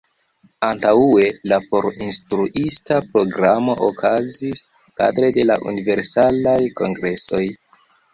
Antaŭe, la por instruista programo okazis kadre de la universalaj kongresoj.